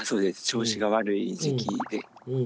調子が悪い時期で。